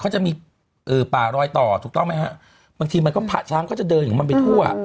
เชียร์ตำนานที่จะมาผะช้างเดินไปฮั่ว